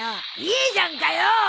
いいじゃんかよー！